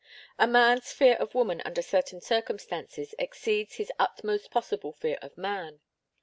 A man's fear of woman under certain circumstances exceeds his utmost possible fear of man.